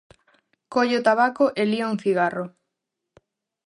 Colle o tabaco e lía un cigarro.